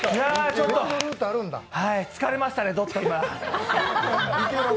ちょっと疲れましたね、どっと今。